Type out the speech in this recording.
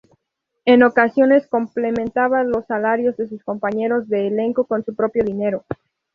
En ocasiones, complementaba los salarios de sus compañeros de elenco con su propio dinero.